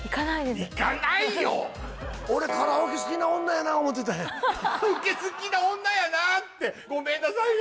俺カラオケ好きな女やな思うてたんやカラオケ好きな女やなってごめんなさいね